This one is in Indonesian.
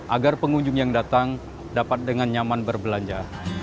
agar pengunjung yang datang dapat dengan nyaman berbelanja